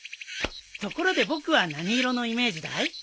ところで僕は何色のイメージだい？えっ？